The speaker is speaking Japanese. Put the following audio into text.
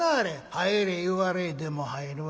「入れ言われえでも入るわい。